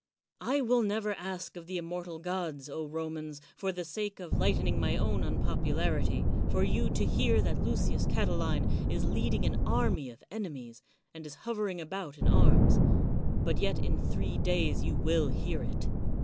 I will never ask of the im mortal gods, Romans, for the sake of lighten ing my own unpopularity, for you to hear that Lucius Catiline is leading an army of enemies, and is hovering about in arms ; but yet in three days you will hear it.